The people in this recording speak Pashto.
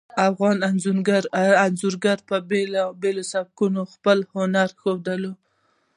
افغان انځورګرانو په بیلابیلو سبکونو کې خپل هنر ښودلی ده